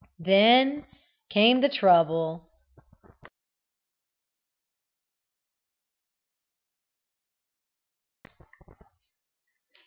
Then came the trouble.